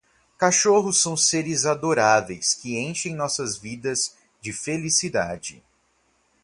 Cachorros são seres adoráveis que enchem nossas vidas de felicidade.